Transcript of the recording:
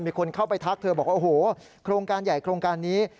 มีคนเข้าไปทักเธอบอกว่าโอ้โหโครงการใหญ่โครงการนี้